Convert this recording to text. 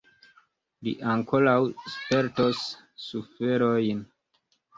Li ankoraŭ spertos suferojn!